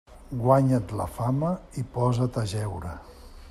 Guanya't la fama i posa't a jeure.